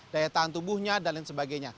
daya tahan tubuhnya dan lain sebagainya